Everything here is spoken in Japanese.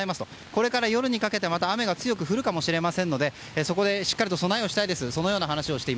これから夜にかけて雨が強く降るかもしれませんのでそこに向けてしっかりと備えをしたいです。